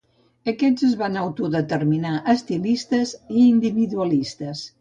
Aquests es van autodenominar Estilistes i Individualistes.